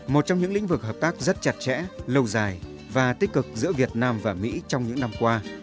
một trong những lĩnh vực hợp tác rất chặt chẽ lâu dài và tích cực giữa việt nam và mỹ trong những năm qua